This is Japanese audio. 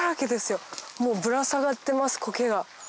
もうぶら下がってますコケが。